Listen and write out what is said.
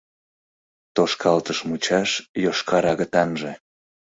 Тошкалтыш мучаш йошкар агытанже